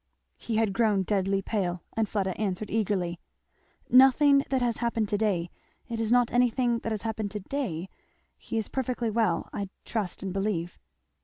He had grown deadly pale and Fleda answered eagerly, "Nothing that has happened to day it is not anything that has happened to day he is perfectly well, I trust and believe."